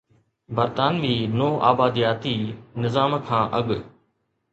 برطانوي نوآبادياتي نظام کان اڳ